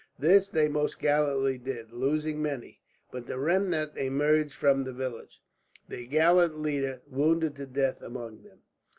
This they most gallantly did, losing many; but the remnant emerged from the village, their gallant leader, wounded to death, among them.